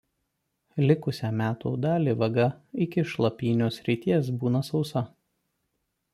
Likusią metų dalį vaga iki šlapynių srities būna sausa.